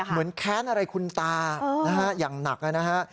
เหมือนแค้นอะไรคุณตาอย่างหนักนะครับ